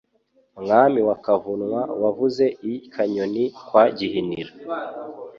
Mwami wa Kavunwa wavuze i Kanyoni kwa Gihinira.